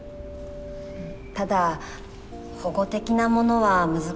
ただ保護的なものは難しいかと。